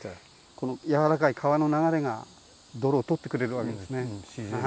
このやわらかい川の流れが泥をとってくれるわけですね。